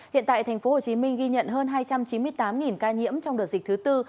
hiện tại thành phố hồ chí minh ghi nhận hơn hai trăm chín mươi tám ca nhiễm trong đợt dịch thứ tư